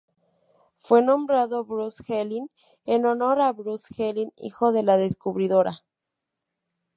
Fue nombrado Bruce Helin en honor a "Bruce Helin" hijo de la descubridora.